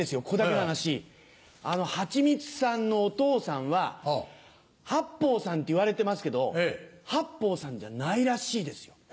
ここだけの話あの八光さんのお父さんは八方さんっていわれてますけど八方さんじゃないらしいですよ。